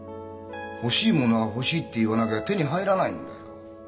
欲しいものは欲しいって言わなきゃ手に入らないんだよ。